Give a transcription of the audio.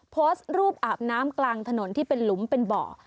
โพสต์รูปอาบน้ำกลางถนนที่เป็นหลุมเป็นเบาะ